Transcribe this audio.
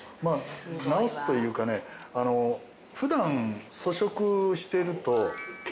治すというかね普段粗食してると。